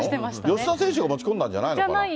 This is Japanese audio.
吉田選手が持ち込んだんじゃないのかな。